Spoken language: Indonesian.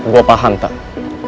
gue paham tata